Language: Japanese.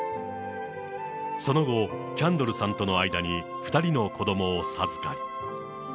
その後、キャンドルさんとの間に２人の子どもを授かる。